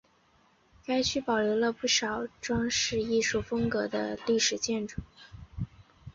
该区保留了不少装饰艺术风格的历史建筑。